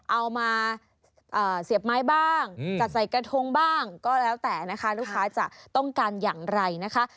เอามาเสียบไม้บ้างจัดใส่กระทงบ้างก็แล้วแต่นะคะลูกค้าจะต้องการอย่างไรนะคะ